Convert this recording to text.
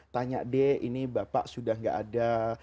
tanya deh ini bapak sudah tidak ada